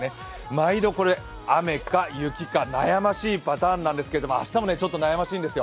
毎度雨か雪か悩ましいパターンなんですけれども、明日もちょっと悩ましいんですよ。